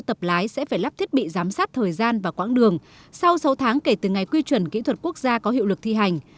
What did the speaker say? tập lái sẽ phải lắp thiết bị giám sát thời gian và quãng đường sau sáu tháng kể từ ngày quy chuẩn kỹ thuật quốc gia có hiệu lực thi hành